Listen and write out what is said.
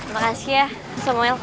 makasih ya samuel